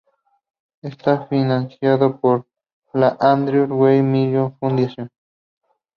Está financiado por la Andrew W. Mellon Fundación.